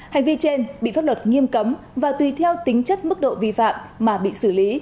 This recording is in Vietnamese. hành vi trên bị pháp luật nghiêm cấm và tùy theo tính chất mức độ vi phạm mà bị xử lý